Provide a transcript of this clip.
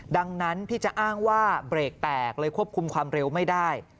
ดังนั้นที่จะอ้างว่าเบรกแตกเลยควบคุมความเร็วไม่ได้